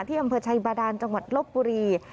อำเภอชัยบาดานจังหวัดลบบุรี